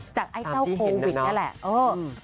จากไอ้เจ้าโควิดนี่แหละตามที่เห็นน่ะเอ่อ